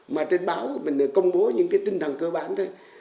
mà trên báo mình đã công bố những tinh thần cơ bản thôi